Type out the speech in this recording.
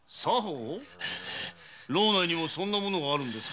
牢内にもそんなものがあるんですか？